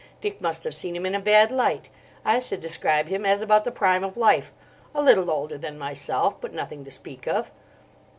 Dick must have seen him in a bad light. I should describe him as about the prime of life, a little older than myself, but nothing to speak of.